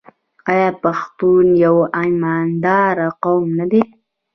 آیا پښتون یو ایماندار قوم نه دی؟